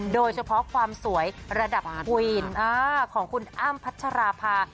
โดยเฉพาะความสวยระดับควีนของคุณอ้ำพัชราภา